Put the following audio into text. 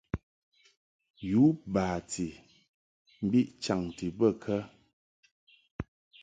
U bati mbiʼ chanti bə kə ?